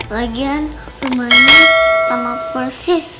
lagian rumahnya sama persis